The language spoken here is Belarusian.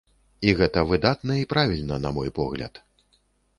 І гэта выдатна і правільна, на мой погляд.